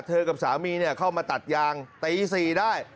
กับสามีเข้ามาตัดยางตี๔ได้